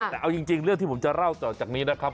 แต่เอาจริงเรื่องที่ผมจะเล่าต่อจากนี้นะครับ